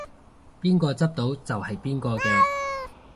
邊個執到就係邊個嘅